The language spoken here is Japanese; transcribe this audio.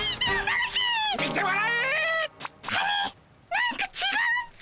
なんかちがうっピ。